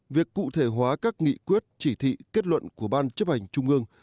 việc cụ thể hóa các nghị quyết chỉ thị kết luận của ban chấp hành trung ương